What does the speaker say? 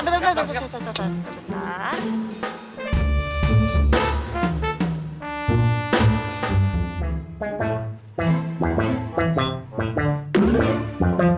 bentar bentar bentar